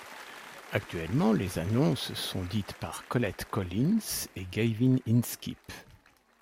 Actuellement, les annonces sont dites par Collette Collins et Gavin Inskip.